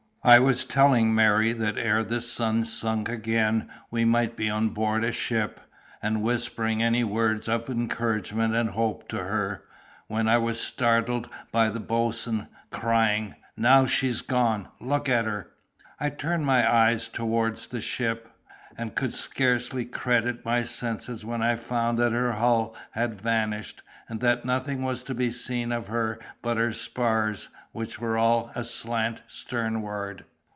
I was telling Mary that ere the sun sunk again we might be on board a ship, and whispering any words of encouragement and hope to her, when I was startled by the boatswain, crying, "Now she's gone! Look at her!" I turned my eyes toward the ship, and could scarcely credit my senses when I found that her hull had vanished, and that nothing was to be seen of her but her spars, which were all aslant sternward.